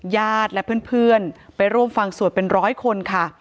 ญาติและเพื่อนไปร่วมฟังสวดเป็นร้อยคนค่ะ